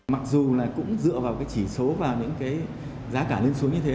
mặc dù là cũng dựa vào cái chỉ số và những cái giá cả lên xuống như thế